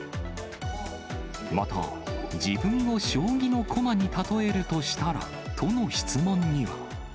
また、自分を将棋の駒に例えるとしたらとの質問には。